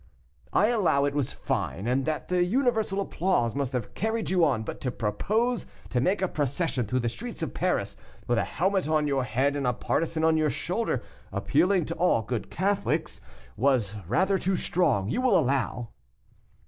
"I allow it was fine, and that the universal applause must have carried you on, but to propose to make a procession through the streets of Paris, with a helmet on your head and a partisan on your shoulder, appealing to all good Catholics, was rather too strong, you will allow."